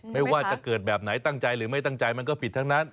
ไม่ว่าจะเกิดแบบไหนตั้งใจหรือไม่ตั้งใจมันก็ผิดทั้งนั้น